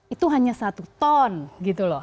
itu hanya satu ton gitu loh